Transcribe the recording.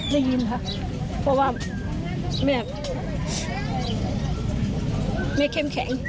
ได้ยินค่ะเพราะว่าแม่แม่เข้มแข็ง